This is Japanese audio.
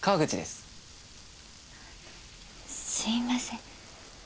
すいません。